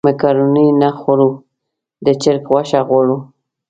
مېکاروني نه خورو د چرګ غوښه غواړو.